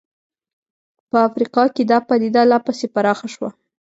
په افریقا کې دا پدیده لا پسې پراخه شوه.